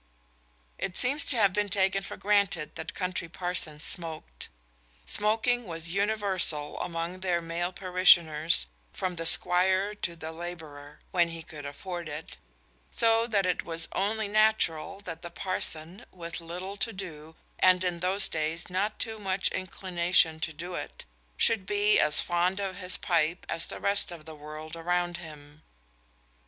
_ It seems to have been taken for granted that country parsons smoked. Smoking was universal among their male parishioners from the squire to the labourer (when he could afford it), so that it was only natural that the parson, with little to do, and in those days not too much inclination to do it, should be as fond of his pipe as the rest of the world around him.